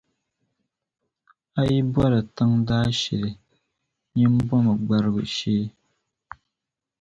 A yi bɔri tiŋa daashili nyin bomi gbarigu shee